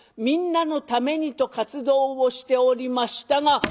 みんなのためにと活動をしておりましたが。